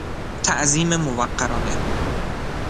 تعظیم موقرانه